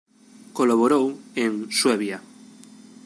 Colaborou en "Suevia".